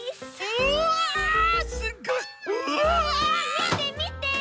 みてみて！